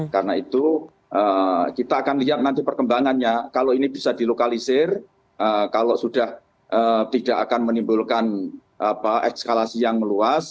karena itu kita akan lihat nanti perkembangannya kalau ini bisa dilokalisir kalau sudah tidak akan menimbulkan ekskalasi yang meluas